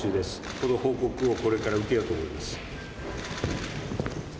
その報告をこれから受けようと思います。